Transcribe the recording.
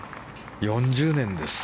４０年です。